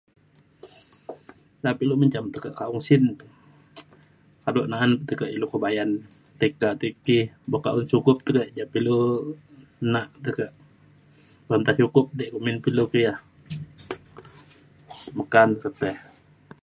na pe ilu menjam tekak kaong sin. kado kelo te kak bayan tika tiki buk kak un sukup [unintelligible] ilu nak tekak me nta cukup di kumbin pa ilu ya. meka ke tei.